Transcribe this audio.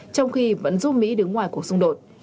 trong khi vẫn giúp mỹ đứng ngoài cuộc xung đột